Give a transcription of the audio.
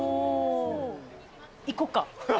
行こっか。